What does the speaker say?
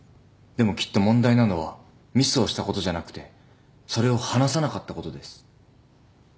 でもきっと問題なのはミスをしたことじゃなくてそれを話さなかったことです。